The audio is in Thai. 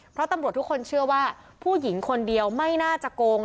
เพราะตำรวจทุกคนเชื่อว่าผู้หญิงคนเดียวไม่น่าจะโกง